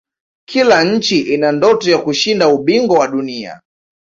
kila nchi ina ndoto ya kushinda ubingwa wa dunia